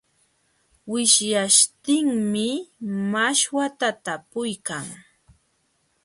Wishyaśhtinmi mashwata talpuykan.